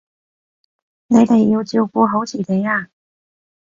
你哋要照顧好自己啊